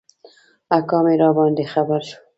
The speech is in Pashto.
اکا مي راباندي خبر شو .